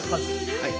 はい。